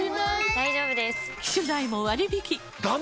大丈夫です！